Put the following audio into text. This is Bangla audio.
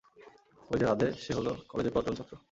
ঐ যে রাধে, সে হলো কলেজের পুরাতন ছাত্র।